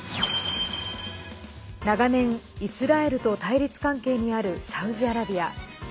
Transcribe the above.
長年、イスラエルと対立関係にあるサウジアラビア。